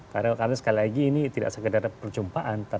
karena sekali lagi ini tidak sekadar perjumpaan